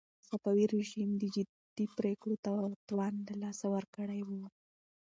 صفوي رژيم د جدي پرېکړو توان له لاسه ورکړی و.